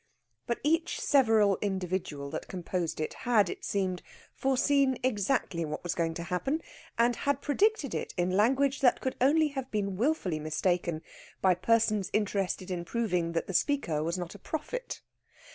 But each several individual that composed it had, it seemed, foreseen exactly what was going to happen, and had predicted it in language that could only have been wilfully mistaken by persons interested in proving that the speaker was not a prophet.